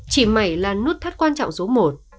chỉ mãi là nút thắt quan trọng số một